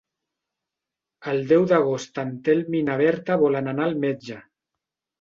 El deu d'agost en Telm i na Berta volen anar al metge.